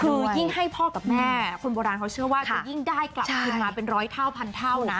คือยิ่งให้พ่อกับแม่คนโบราณเขาเชื่อว่าจะยิ่งได้กลับขึ้นมาเป็นร้อยเท่าพันเท่านะ